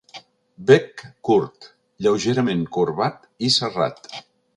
Bec curt, lleugerament corbat i serrat.